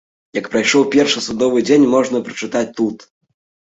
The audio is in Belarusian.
Як прайшоў першы судовы дзень можна пачытаць тут!